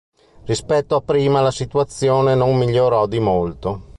Rispetto a prima la situazione non migliorò di molto.